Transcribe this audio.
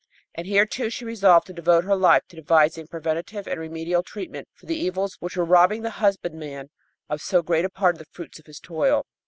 And here, too, she resolved to devote her life to devising preventive and remedial treatment for the evils which were robbing the husbandman of so great a part of the fruits of his toil.